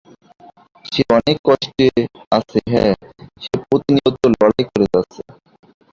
সে অনেক কষ্টে আছে হ্যা, সে প্রতিনিয়ত লড়াই করে যাচ্ছে।